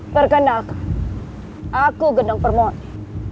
perkenalkan aku gendong permoni